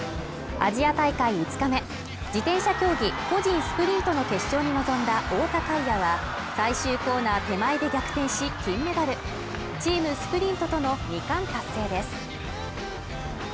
アジア大会５日目自転車競技個人スプリントの決勝に臨んだ太田海也は最終コーナー手前で逆転し金メダルチームスプリントとの２冠達成です